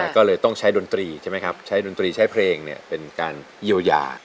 ก็เลยต้องใช้ดนตรีใช่ไหมครับใช้ดนตรีใช้เพลงเป็นการเยียวยา